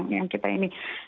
yang kita ini